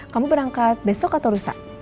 kamu berangkat besok atau rusak